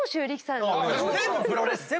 全部プロレス！